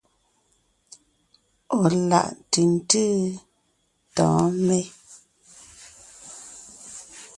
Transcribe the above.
Ɔ̀ láʼ ntʉ̀ntʉ́ tɔ̌ɔn mé?